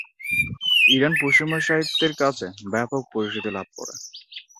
Iran পশ্চিমা সাহিত্যের কাছে ব্যাপক পরিচিতি লাভ করে।